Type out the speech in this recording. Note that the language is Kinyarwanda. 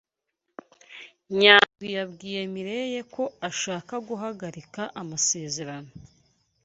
Nyandwi yabwiye Mirelle ko ashaka guhagarika amasezerano.